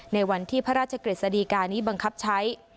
ในวันที่พระราชกฤษฎีกานี้บังคับใช้